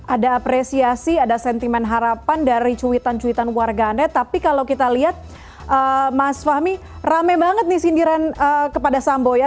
ada apresiasi ada sentimen harapan dari cuitan cuitan warganet tapi kalau kita lihat mas fahmi rame banget nih sindiran kepada sambo ya